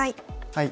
はい。